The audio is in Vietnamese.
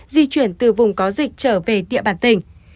di chuyển từ vùng có dịch trở về địa bàn tỉnh